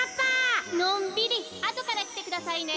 のんびりあとからきてくださいね。